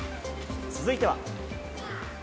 続いては。